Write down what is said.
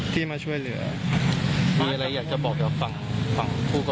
ไม่ค่ะไม่เคยซ้ำเติมแล้วก็ไม่โกรธลูกค่ะ